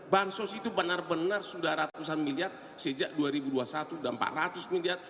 bansos itu benar benar sudah ratusan miliar sejak dua ribu dua puluh satu sudah empat ratus miliar